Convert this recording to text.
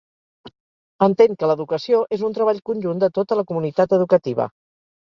Entén que l'educació és un treball conjunt de tota la comunitat educativa.